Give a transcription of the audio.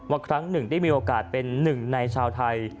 ครั้งหนึ่งได้มีโอกาสเป็นหนึ่งในชาวไทย